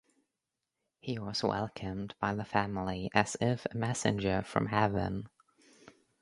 He was welcomed by the family as if a messenger from heaven.